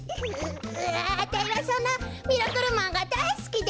ううあたいはそのミラクルマンがだいすきです！